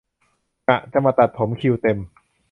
ง่ะ จะมาตัดผม คิวเต็ม